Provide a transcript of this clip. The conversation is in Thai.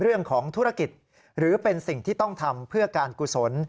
เรื่องของธุรกิจหรือเป็นสิ่งที่ต้องทำเพื่อการกุศล